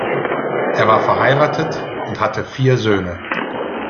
Er war verheiratet und hatte vier Söhne.